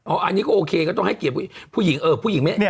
อ๋ออันนี้ก็โอเคก็ต้องให้เกียรติผู้หญิง